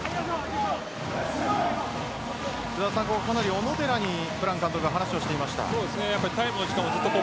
小野寺にブラン監督が話をしていました。